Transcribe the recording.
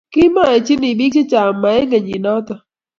kimoyechini biik che chang' moe eng' kenyit noto